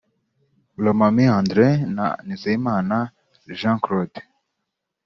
Romami Andre na Nizeyimana Jean Claude